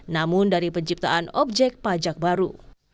namun dari penciptaan objek pajak baru